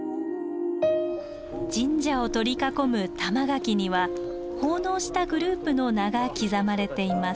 神社を取り囲む玉垣には奉納したグループの名が刻まれています。